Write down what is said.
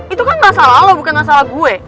itu kan masalah loh bukan masalah gue